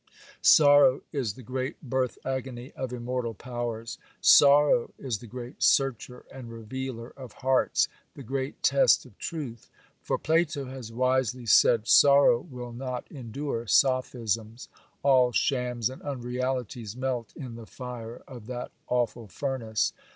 Sorrow is the great birth agony of immortal powers; sorrow is the great searcher and revealer of hearts, the great test of truth; for Plato has wisely said, sorrow will not endure sophisms; all shams and unrealities melt in the fire of that awful furnace.